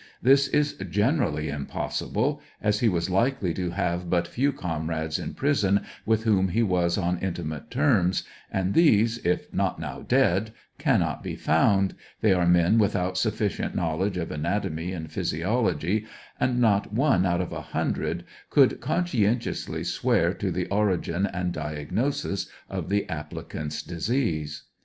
This is generally impossible, as he was like ly to have but few comrades in prison with w^hom he was on intimate terms, and these, if not now dead, cannot be found, they are men without sufficient knowledge of anatomy and physiology, and not one out of a hundred could conscientiously swear to the ori gin and diagnosis of the applicant's disease.